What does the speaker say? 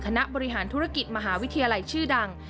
คณะบริหารธุรกิจมหาวิทยาลัยชื่อดัง